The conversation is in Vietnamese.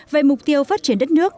về mục tiêu phát triển đất nước